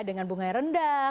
dengan bunga yang rendah